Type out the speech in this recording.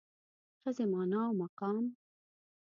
د ښځې مانا او مقام